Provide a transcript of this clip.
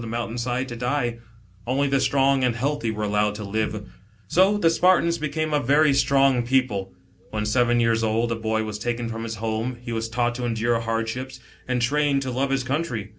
the mountain side to die. Only the strong and healthy were allowed to live. So the Spartans became a very strong people. When seven years old, a boy was taken from his home, he was taught to endure hardships, and trained to love his country.